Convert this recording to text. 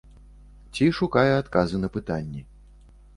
Ці шукае адказы на пытанні.